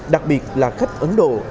đặc biệt là khách ấn độ